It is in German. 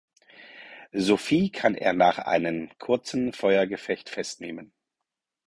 Sophie kann er nach einen kurzen Feuergefecht festnehmen.